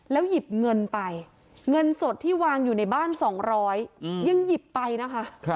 หยิบเงินไปเงินสดที่วางอยู่ในบ้าน๒๐๐ยังหยิบไปนะคะ